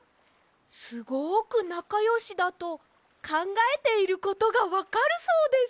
すごくなかよしだとかんがえていることがわかるそうです！